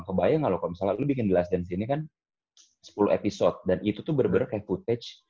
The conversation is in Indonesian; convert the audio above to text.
kebayang aloh kalau misalnya lu bikin the last dance ini kan sepuluh episode dan itu tuh bener bener kayak footage